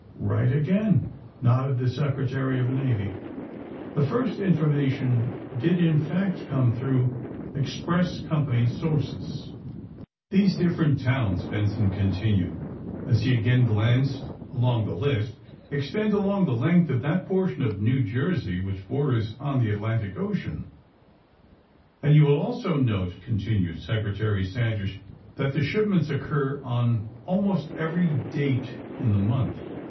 Eight again," nodded the Secretary of the Navy. *' The first information did, in fact, come through express company sources." These different towns," Benson continued, <<i 16 THE SUBMARINE BOYS as lie again glanced along the list, *^ extend along the length of that portion of New Jersey which borders on the Atlantic Ocean.'' ^^And you will also note,'^ continued Secre tary Sanders, ^'that the shipments occur on al most every date in the month.